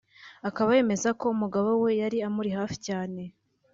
akaba yemeza ko umugabo we yari amuri hafi cyane